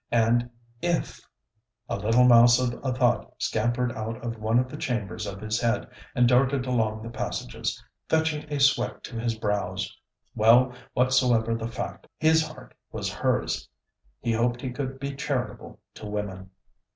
And if...! a little mouse of a thought scampered out of one of the chambers of his head and darted along the passages, fetching a sweat to his brows. Well, whatsoever the fact, his heart was hers! He hoped he could be charitable to women.